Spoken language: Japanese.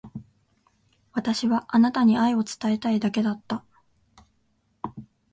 私はあなたに愛を伝えたいだけだった。